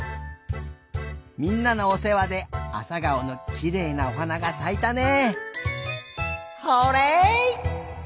みんなのおせわであさがおのきれいなおはながさいたね。